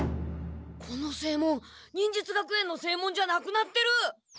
この正門忍術学園の正門じゃなくなってる！